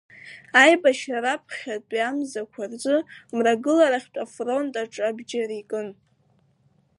Аибашьра раԥхьатәи амзақәа рзы, Мрагыларахьтәи афронт аҿы абџьар икын.